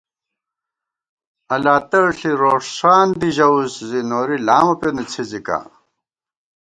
الاتڑ ݪی رو ݭان دی ژَوُس زی نوری لامہ پېنہ څھِزِکا